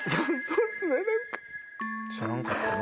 知らなかったな。